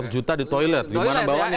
lima ratus juta di toilet bagaimana bawanya